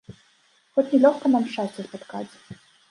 Хоць не лёгка нам шчасця спаткаць!